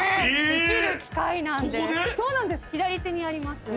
左手にあります